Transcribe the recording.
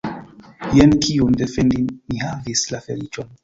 Jen kiun defendi mi havis la feliĉon!